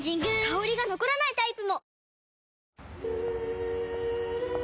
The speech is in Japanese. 香りが残らないタイプも！